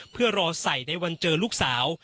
เพื่อรอใส่ในวันเจอลูกสาว